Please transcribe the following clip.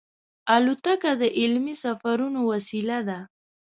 الوتکه د علمي سفرونو وسیله ده.